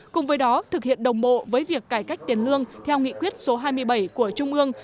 cùng với đó thực hiện đồng bộ với việc cải cách tiền lương theo nghị quyết số hai mươi bảy của trung ương